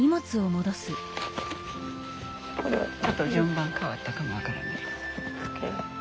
ちょっと順番かわったかも分からない。